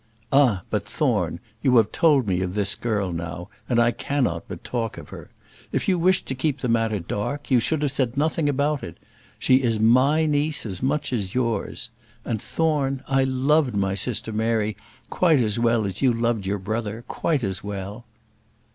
"Ah! but, Thorne, you have told me of this girl now, and I cannot but talk of her. If you wished to keep the matter dark, you should have said nothing about it. She is my niece as much as yours. And, Thorne, I loved my sister Mary quite as well as you loved your brother; quite as well."